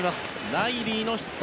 ライリーのヒット。